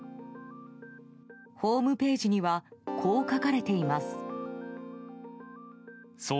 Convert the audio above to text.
ホームページにはこう書かれています。